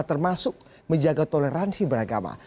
termasuk menjaga toleransi beragama